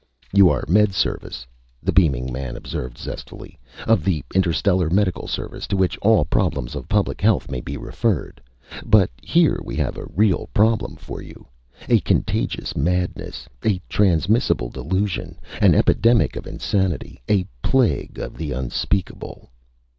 "You are Med Service," the beaming man observed zestfully. "Of the Interstellar Medical Service, to which all problems of public health may be referred! But here we have a real problem for you! A contagious madness! A transmissible delusion! An epidemic of insanity! A plague of the unspeakable!"